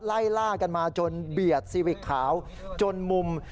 ไล่ล่ากันมาจนเบียดซีวิกขาวจนมุม